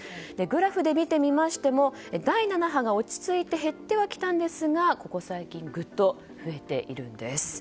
グラフで見てみましても第７波が落ち着いて減ってはきたんですがここ最近ぐっと増えているんです。